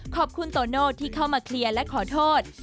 โตโน่ที่เข้ามาเคลียร์และขอโทษ